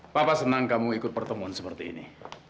papa senang kamu ikut pertemuan seperti ini